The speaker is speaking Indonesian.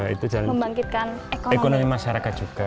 itu jangan membangkitkan ekonomi masyarakat juga